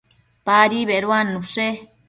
Padi beduannushe